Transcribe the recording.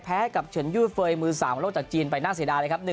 แพ้กับเฉินยู่เฟย์มือ๓ของโลกจากจีนไปน่าเสียดายเลยครับ